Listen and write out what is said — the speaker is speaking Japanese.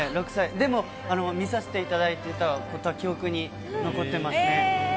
でも、見させていただいてたことは記憶に残ってますね。